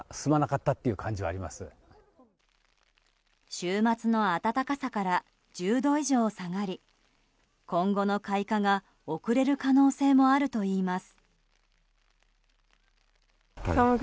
週末の暖かさから１０度以上下がり今後の開花が遅れる可能性もあるといいます。